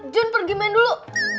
jun pergi main dulu